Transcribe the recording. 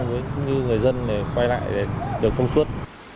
như người dân quay lại để được thông suốt